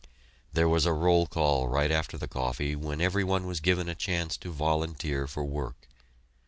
There was a roll call right after the coffee, when every one was given a chance to volunteer for work.